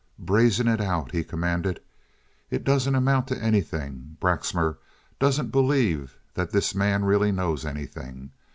"Brazen it out," he commanded. "It doesn't amount to anything. Braxmar doesn't believe that this man really knows anything.